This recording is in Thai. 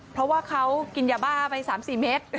เพราะว่าเขากินยาบ้าไปสามสี่เม็ด